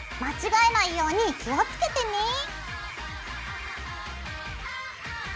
間違えないように気をつけてね。